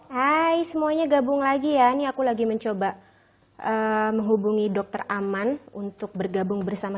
hai semuanya gabung lagi ya ini aku lagi mencoba menghubungi dokter aman untuk bergabung bersama